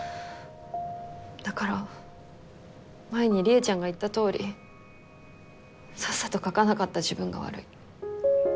だから前にりえちゃんが言ったとおりさっさと描かなかった自分が悪い。